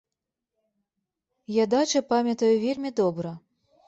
Я дачы памятаю вельмі добра.